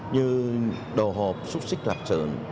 như đồ hộp xúc xích lạp sườn